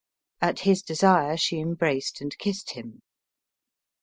At his desire she embraced and kissed him.